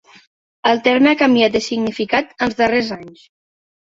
El terme ha canviat de significat els darrers anys.